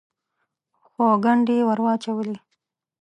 خو ګنډې یې ور اچولې.